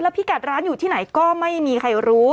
พี่กัดร้านอยู่ที่ไหนก็ไม่มีใครรู้